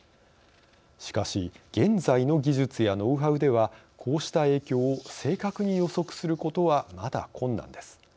しかし、現在の技術やノウハウでは、こうした影響を正確に予測することはまだ困難です。